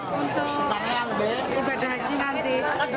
untuk ibadah haji nanti